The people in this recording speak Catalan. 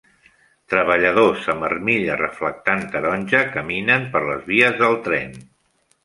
Treballadors amb armilla reflectant taronja caminen per les vies del tren.